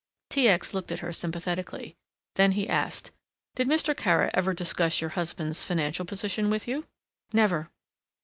T. X. looked at her sympathetically. Then he asked, "Did Mr. Kara ever discuss your husband's financial position with you!" "Never."